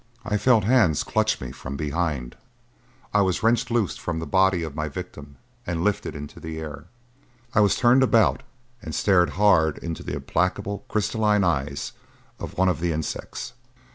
I felt hands clutch me from behind; I was wrenched loose from the body of my victim and lifted into the air. I was turned about and stared hard into the implacable crystalline eyes of one of the insects.